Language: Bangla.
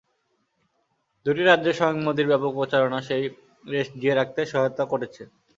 দুটি রাজ্যে স্বয়ং মোদির ব্যাপক প্রচারণা সেই রেশ জিইয়ে রাখতে সহায়তা করেছে।